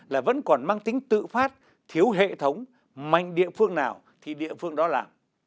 là vẫn còn mang tính tự phát thiếu hệ thống mạnh địa phương nào thì địa phương đó làm